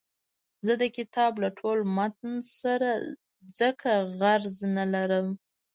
زه د کتاب له ټول متن سره ځکه غرض نه لرم.